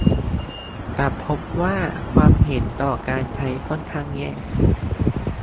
กลับพบว่าความเห็นต่อการใช้ค่อนข้างแย่